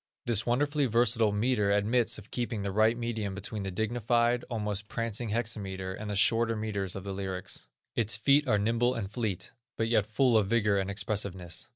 This wonderfully versatile metre admits of keeping the right medium between the dignified, almost prancing hexameter, and the shorter metres of the lyrics. Its feet are nimble and fleet, but yet full of vigor and expressiveness.